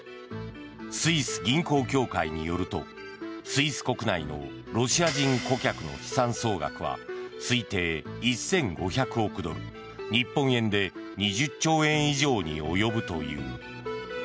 スイス銀行協会によるとスイス国内のロシア人顧客の資産総額は推定１５００億ドル日本円で２０兆円以上に及ぶという。